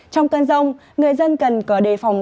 trong cơn rông người dân cần có đề phòng